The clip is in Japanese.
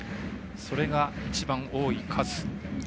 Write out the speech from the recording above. それが、一番多い数。